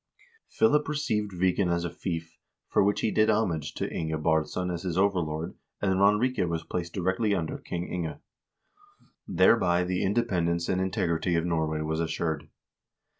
Philip received Viken as a fief, for which he did homage to Inge Baardsson as his overlord, and Ranrike was placed directly under King Inge. Thereby the independence and integrity of Norway was assured.